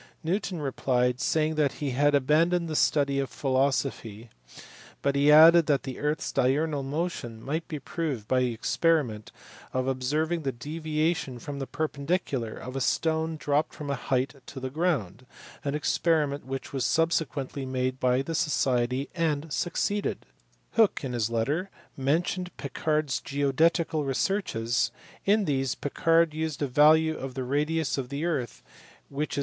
Newton replied saying that he had abandoned the study of philosophy, but he added that the earth s diurnal motion might be proved by the experiment of observing the deviation from the perpendicular of a stone dropped from a height to the ground an experiment which was subsequently made by the Society and succeeded. Hooke in his letter mentioned Picard s geodetical researches ; in these Picard used a value of the radius of the earth which is DISCOVERIES IN 1679.